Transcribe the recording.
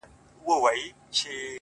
ما دي ویلي کله قبر نایاب راکه،